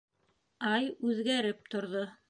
Ай үҙгәреп торҙо.